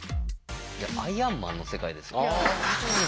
「アイアンマン」の世界ですよね。